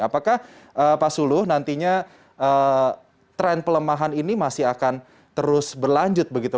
apakah pak suluh nantinya tren pelemahan ini masih akan terus berlanjut begitu